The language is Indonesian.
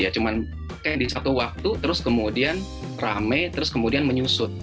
cuma kayak di satu waktu terus kemudian rame terus kemudian menyusut